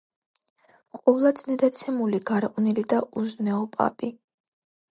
ყოვლად ზნედაცემული, გარყვნილი და უზნეო პაპი.